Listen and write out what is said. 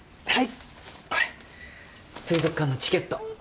はいこれ水族館のチケット。